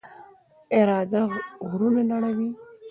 اراده غرونه نړوي.